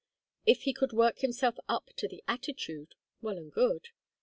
If he could work himself up to the attitude, well and good.